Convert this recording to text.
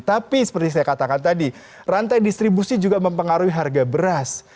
tapi seperti saya katakan tadi rantai distribusi juga mempengaruhi harga beras